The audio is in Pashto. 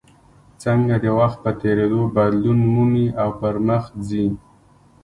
څنګه د وخت په تېرېدو بدلون مومي او پرمخ ځي.